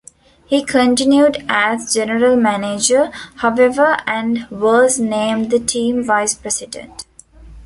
He continued as general manager, however, and was named the team vice president.